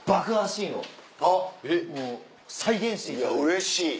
うれしい！